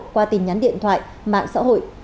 qua tình nhắn điện thoại mạng xã hội